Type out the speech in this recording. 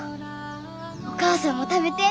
お母さんも食べて。